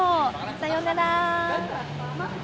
さよなら。